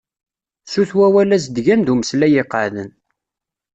Sut wawal azedgan d umeslay iqeεden.